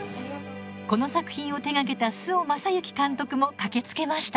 この作品を手がけた周防正行監督も駆けつけました。